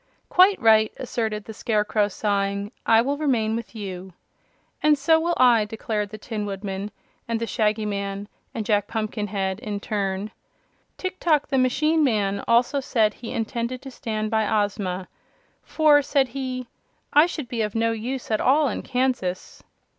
"Quite right," asserted the Scarecrow, sighing. "I will remain with you." "And so will I," declared the Tin Woodman and the Shaggy Man and Jack Pumpkinhead, in turn. Tiktok, the machine man, also said he intended to stand by Ozma. "For," said he, "I should be of no use at all in Kan sas."